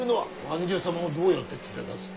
万寿様をどうやって連れ出す。